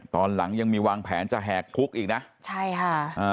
ตอนหลังยังมีวางแผนจะแหกคุกอีกนะใช่ค่ะอ่า